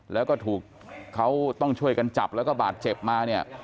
แล้วก็ถูกเขาต้องช่วยกันจับแล้วก็บาดเจ็บมาเนี่ย